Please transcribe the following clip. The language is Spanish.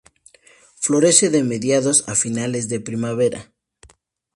Florece de mediados a finales de primavera.